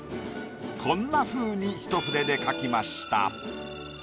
こんなふうに一筆で描きました。